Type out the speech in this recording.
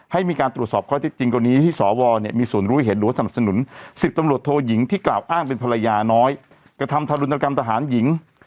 ให้มีการตรวจสอบข้อที่จริงกรณีที่สวเนี่ยมีส่วนรู้เห็นหรือว่าสนับสนุน๑๐ตำรวจโทยิงที่กล่าวอ้างเป็นภรรยาน้อยกระทำทารุณกรรมทหารหญิง